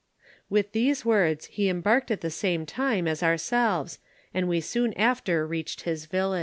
With these words he embarked at the same time as our selves, and we soon after reached his village.